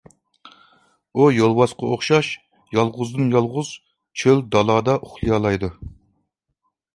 ئۇ يولۋاسقا ئوخشاش يالغۇزدىن-يالغۇز چۆل-دالادا ئۇخلىيالايدۇ.